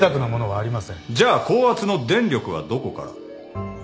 じゃあ高圧の電力はどこから？